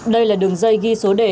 đây là đường dây ghi số đề